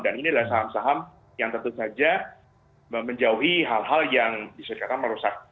dan inilah saham saham yang tentu saja menjauhi hal hal yang disuruh kita merusak